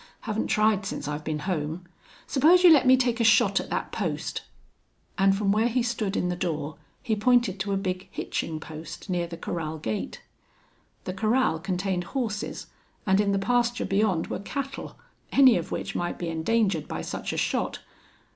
"Haven't tried since I've been home.... Suppose you let me take a shot at that post?" And from where he stood in the door he pointed to a big hitching post near the corral gate. The corral contained horses, and in the pasture beyond were cattle, any of which might be endangered by such a shot.